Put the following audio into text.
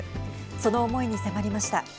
その思いに迫りました。